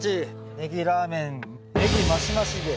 ネギラーメンネギ増し増しで。